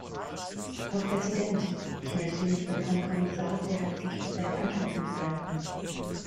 Herr Präsident! Ich möchte mich beim Herrn Kommissar sehr herzlich für seine Antworten bedanken.